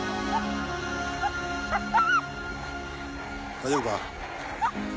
大丈夫か？